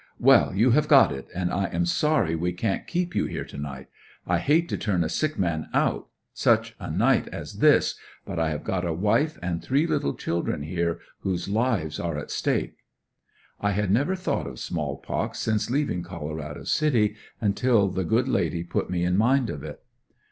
"Well, you have got it, and I am sorry we can't keep you here to night. I hate to turn a sick man out such a night as this, but I have got a wife and three little children here whose lives are at stake." I had never thought of small pox since leaving Colorado City, until the good lady put me in mind of it.